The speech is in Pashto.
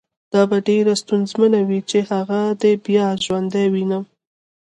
دا به ډېره ستونزمنه وي چې هغه دې بیا ژوندی ووینم